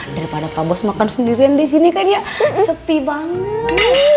daripada pak bos makan sendirian di sini kan ya sepi banget